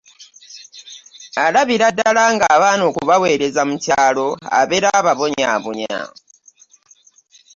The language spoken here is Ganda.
Alabira ddala ng'abaana okubaweereza mu kyalo abeera ababonyaabonya